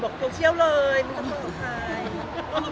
บอกใครบอกโตเชี่ยวเลยมันจะมาบอกใคร